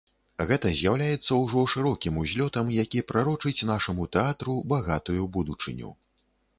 Гэта з'яўляецца ўжо шырокім узлётам, які прарочыць нашаму тэатру багатую будучыню.